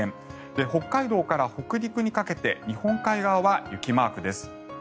北海道から北陸にかけて日本海側は雪マークです。